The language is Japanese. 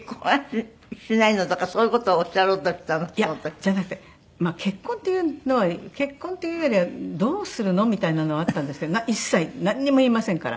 じゃなくて結婚っていうのは結婚っていうよりはどうするの？みたいなのはあったんですけど一切なんにも言いませんから。